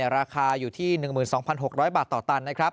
ราคาอยู่ที่๑๒๖๐๐บาทต่อตัน